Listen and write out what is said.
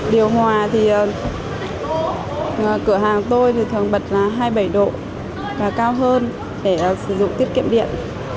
điều hòa thì cửa hàng tôi thì thường bật là hai mươi bảy độ và cao hơn để sử dụng tiết kiệm điện